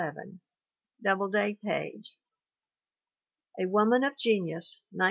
Doubleday, Page. A Woman of Genius, 1912.